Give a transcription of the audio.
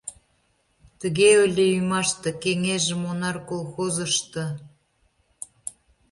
Тыге ыле ӱмаште кеҥежым «Онар» колхозышто.